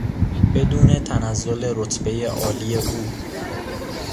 بدون تنزل رتبهی عالی او